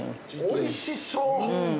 ◆おいしそう。